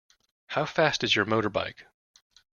How fast is your motorbike?